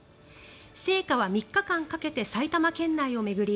聖火は３日間かけて埼玉県内を巡り